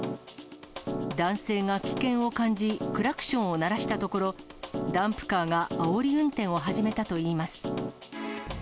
男性が危険を感じ、クラクションを鳴らしたところ、ダンプカーがあおり運転を始めたといいます。